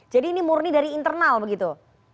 jadi ini murni dari internal begitu